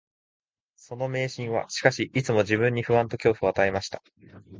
その迷信は、しかし、いつも自分に不安と恐怖を与えました